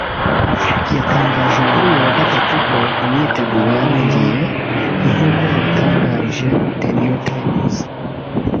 yatangaje kuri uyu wa Gatatu ko imyiteguro yarangiye nk’uko yabitangarije The New Times